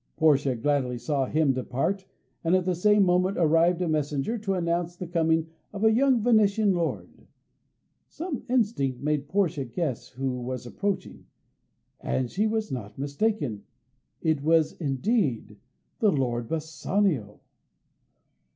Portia gladly saw him depart, and at the same moment arrived a messenger to announce the coming of a young Venetian lord. Some instinct made Portia guess who was approaching, and she was not mistaken; it was indeed the lord Bassanio.